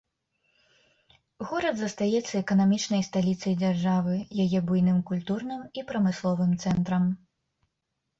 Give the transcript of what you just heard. Горад застаецца эканамічнай сталіцай дзяржавы, яе буйным культурным і прамысловым цэнтрам.